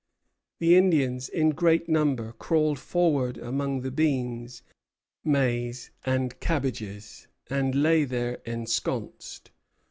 The Indians, in great number, crawled forward among the beans, maize, and cabbages, and lay there ensconced.